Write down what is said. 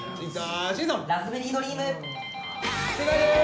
正解です。